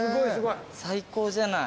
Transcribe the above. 最高じゃない。